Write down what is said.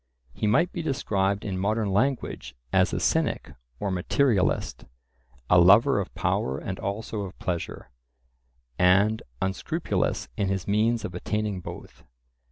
He might be described in modern language as a cynic or materialist, a lover of power and also of pleasure, and unscrupulous in his means of attaining both.